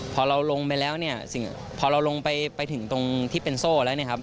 พอเราลงไปแล้วพอเราลงไปถึงตรงที่เป็นโซ่แล้ว